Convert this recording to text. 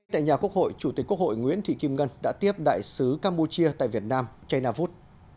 tại nhà quốc hội chủ tịch quốc hội nguyễn thị kim ngân đã tiếp đại sứ campuchia tại việt nam chaynavut